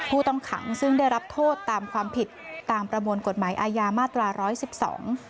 ผู้ต้องขังซึ่งได้รับโทษตามความผิดตามประมวลกฎหมายอาญามาตราร้อยสิบสอง